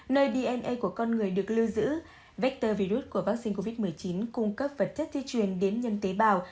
nơi dna của con người được lưu giữ vector virus của vaccine covid một mươi chín cung cấp vật chất di chuyển đến nhân tế bảo